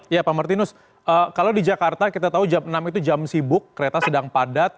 ya pak martinus kalau di jakarta kita tahu jam enam itu jam sibuk kereta sedang padat